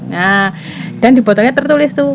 nah dan di botolnya tertulis tuh